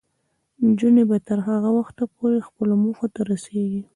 نجونې به تر هغه وخته پورې خپلو موخو ته رسیږي.